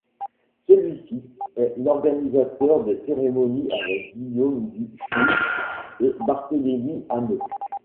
Celui-ci est l'organisateur des cérémonies avec Guillaume du Choul et Barthélémy Aneau.